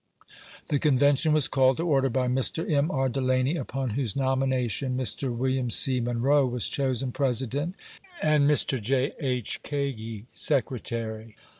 The Convention was called to order by Mr, M, R. Delany, upon whose nomination, Mr. Wm. C. Munroe was chosen President, and Mr. J. H. Kagi, Secretary.